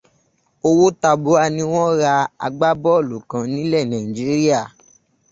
Owó tabua ni wọ́n ra agbábọ́ọ̀lù kan nílẹ̀ Nàìjíríà.